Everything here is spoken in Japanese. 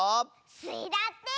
スイだって！